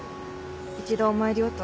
一度お参りをと。